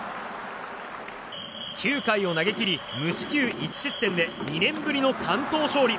９回を投げ切り無四球１失点で２年ぶりの完投勝利。